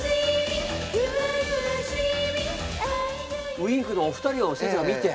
Ｗｉｎｋのお二人を先生が見て。